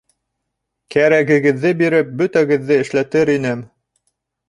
Кәрәгегеҙҙе биреп бөтәгеҙҙе эшләтер инем.